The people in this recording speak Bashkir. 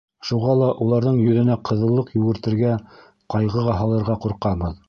Шуға ла уларҙың йөҙөнә ҡыҙыллыҡ йүгертергә, ҡайғыға һалырға ҡурҡабыҙ.